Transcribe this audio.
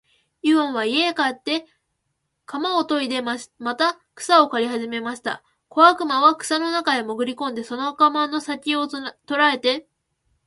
イワンは家へ帰って鎌をといでまた草を刈りはじめました。小悪魔は草の中へもぐり込んで、その鎌の先きを捉えて、